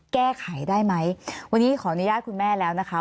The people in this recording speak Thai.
แก้ไขได้ไหมวันนี้ขออนุญาตคุณแม่แล้วนะคะ